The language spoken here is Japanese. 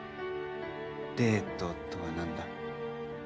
でーととは何だ？